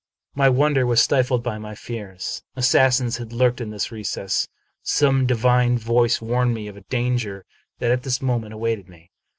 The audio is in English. My wonder was stifled by my fears. Assassins had lurked in this recess. Some divine voice warned me of danger that at this moment awaited me.